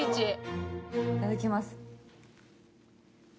いただきます。